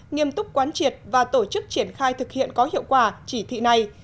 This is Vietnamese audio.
nghiêm túc quán triệt và tổ chức triển khai thực hiện có hiệu quả chỉ thị này